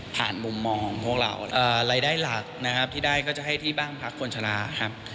มุมมองของพวกเรารายได้หลักนะครับที่ได้ก็จะให้ที่บ้านพักคนชะลาครับ